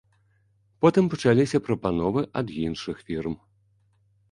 Потым пачаліся прапановы ад іншых фірм.